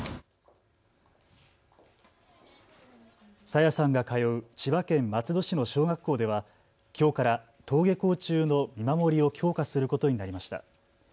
朝芽さんが通う千葉県松戸市の小学校では、きょうから登下校中の見守りを強化することになりました。